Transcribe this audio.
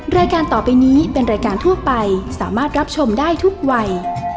รายการต่อไปนี้เป็นรายการทั่วไปสามารถรับชมได้ทุกวัย